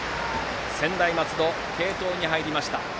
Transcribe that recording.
専大松戸、継投に入りました。